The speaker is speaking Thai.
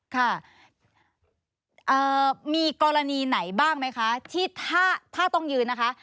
ค่ะมีกรณีไหนบ้างไหมคะที่ถ้าต้องยืนนะคะ